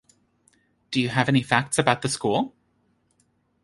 Do you have any facts about the school?